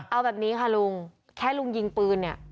เอาแบบนี้ค่ะลุงแค่ลุงยิงปืนเนี่ย